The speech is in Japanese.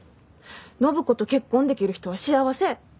暢子と結婚できる人は幸せ。